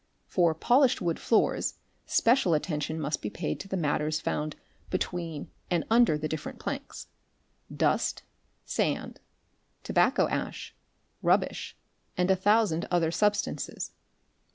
For polished wood floors, special attention must be paid to the matters found between and under the different planks: dust, sand, tobacco ash, rubbish, and a thousand other substances.